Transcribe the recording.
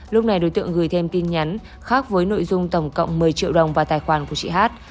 lúc này đối tượng gửi thêm tin nhắn khác với nội dung tổng cộng một mươi triệu đồng vào tài khoản của chị hát